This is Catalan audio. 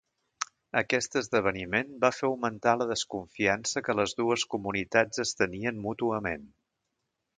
Aquest esdeveniment va fer augmentar la desconfiança que les dues comunitats es tenien mútuament.